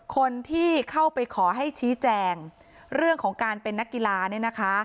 คนที่เข้าไปขอให้ชี้แจงเรื่องของการเป็นนักกีฬาเนี่ยนะคะ